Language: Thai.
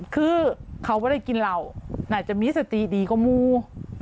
คือเขาบริกินเหล่าอาจจะมีสติดีขับมูท์